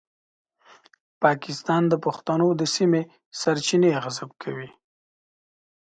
پاکستان د پښتنو د سیمې سرچینې غصب کوي.